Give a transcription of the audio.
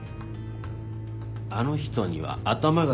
あの人には頭が下がる。